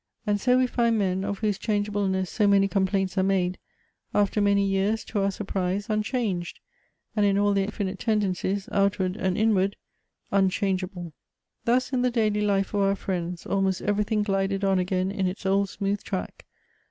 And so we find men, of whose changeableness so many complaints are madu, after many years to our surprise, unchanged, and in all their infinite tendencies, outward and inward, unclinnge able. Thus in the daily life of our friends, almost everything glided on again in its old smooth track.